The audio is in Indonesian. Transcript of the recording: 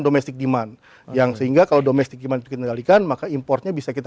domestic demand yang sehingga kalau domestik demand itu dikendalikan maka importnya bisa kita